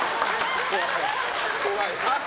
怖い。